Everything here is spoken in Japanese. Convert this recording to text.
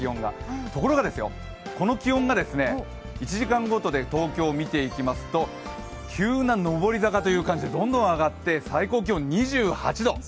ところが、この気温が１時間ごとで東京見ていきますと急な上り坂という感じでどんどん上がって最高気温は２８度。